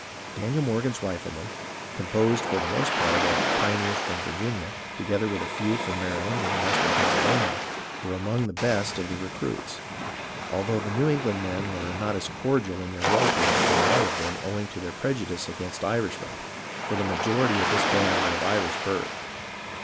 Daniel Morgan's riflemen," composed for the most part of pioneers from Virginia, together with a few from Mary land and Western Pennsylvania, were among the best of the recruits, although the New England men were not as cordial in their welcome as they might have been owing to their prejudice against Irishmen, for the majority of this band were of Irish birth.